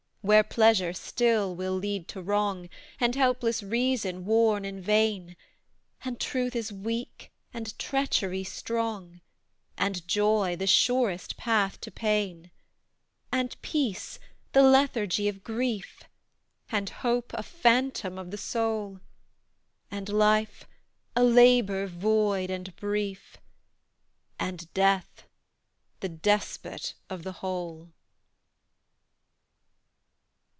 Where Pleasure still will lead to wrong, And helpless Reason warn in vain; And Truth is weak, and Treachery strong; And Joy the surest path to Pain; And Peace, the lethargy of Grief; And Hope, a phantom of the soul; And life, a labour, void and brief; And Death, the despot of the whole!